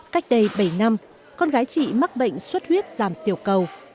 cách đây bảy năm con gái chị mắc bệnh suất huyết giảm tiểu cầu